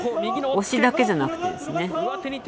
押しだけじゃなくてですね。